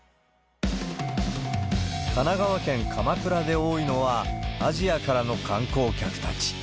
神奈川県鎌倉で多いのは、アジアからの観光客たち。